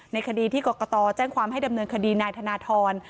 ในคดีที่กรกตแจ้งความให้ดำเนินคดีนายธนทร